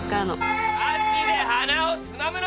「箸で鼻をつまむな！」